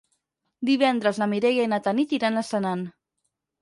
Divendres na Mireia i na Tanit iran a Senan.